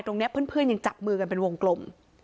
เพื่อนยังจับมือกันเป็นวงกลม